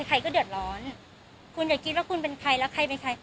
ใครก็เดือดร้อนคุณอย่าคิดว่าคุณเป็นใครแล้วใครเป็นใคร